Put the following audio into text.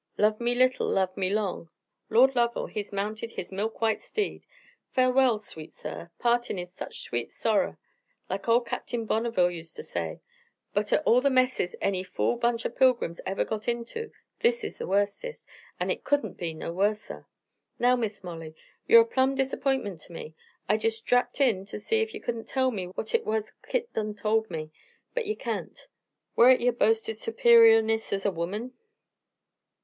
Love me little, love me long. Lord Lovell, he's mounted his milk white steed. Farewell, sweet sir, partin' is such sweet sorrer; like ol' Cap'n Bonneville uster say. But o' all the messes any fool bunch o' pilgrims ever got inter, this is the worstest, an' hit couldn't be no worser. "Now, Miss Molly, ye're a plumb diserpintment ter me. I jest drapped in ter see ef ye couldn't tell me what hit was Kit done told me. But ye kain't. Whar is yer boasted superiorness as a womern?